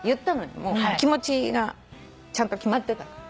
もう気持ちがちゃんと決まってたから。